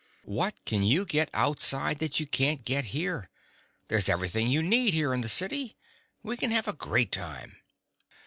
"What can you get outside that you can't get here? There's everything you need here in the city. We can have a great time."